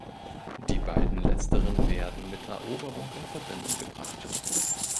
Die beiden Letzteren werden mit Eroberung in Verbindung gebracht.